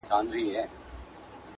پیل لېوه ته په خندا سو ویل وروره-